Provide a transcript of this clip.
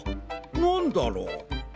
なんだろう？